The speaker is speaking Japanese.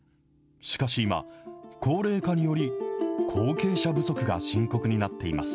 しかし今、高齢化により、後継者不足が深刻になっています。